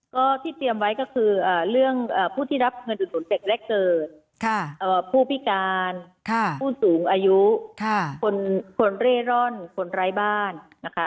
ก็ที่เตรียมไว้ก็คือเรื่องผู้ที่รับเงินอุดหนุนเด็กแรกเกิดผู้พิการผู้สูงอายุคนเร่ร่อนคนไร้บ้านนะคะ